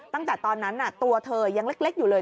ตั้งแต่ตอนนั้นตัวเธอยังเล็กอยู่เลย